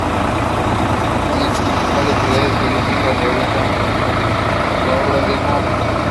Es una de las principales ciudades turísticas en Utah, la otra es Moab.